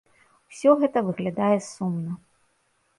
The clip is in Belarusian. Усё гэта выглядае сумна.